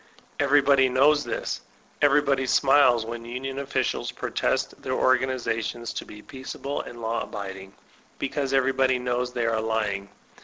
Everybody knows this; everybody smiles when onion officiak protest their organizations to be peaceable and law abiding, because everybody knows they are lying.